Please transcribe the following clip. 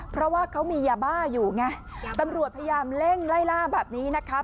เพราะว่าเขามียาบ้าอยู่ไงตำรวจพยายามเร่งไล่ล่าแบบนี้นะคะ